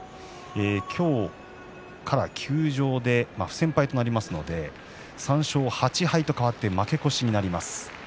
今日から休場で不戦敗となりますので３勝８敗となって負け越しです。